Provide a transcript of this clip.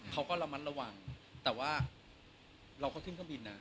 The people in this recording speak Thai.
เขาก็ระมัดระวังแต่ว่าเราก็ขึ้นเครื่องบินนะ